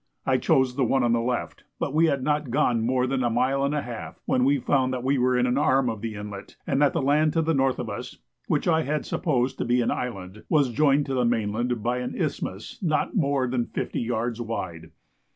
I chose the one to the left, but we had not gone more than a mile and a half, when we found that we were in an arm of the inlet, and that the land to the north of us, which I had supposed to be an island, was joined to the mainland by an isthmus not more than 50 yards wide.